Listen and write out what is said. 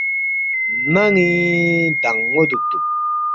نانی دانگمو دوگتوک